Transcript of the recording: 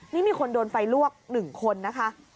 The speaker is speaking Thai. นี่มีคนโดนไฟลวก๑คนนะคะ